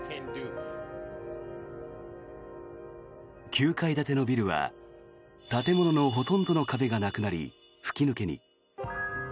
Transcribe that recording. ９階建てのビルは建物のほとんどの壁がなくなり吹き抜けに。